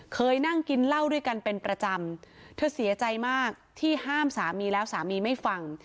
เคยนั่งกินเหล้าด้วยกันเป็นประจำเธอเสียใจมากที่ห้ามสามีแล้วสามีไม่ฟัง